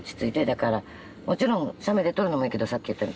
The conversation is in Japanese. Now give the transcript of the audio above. だからもちろん写メで撮るのもいいけどさっき言ったように。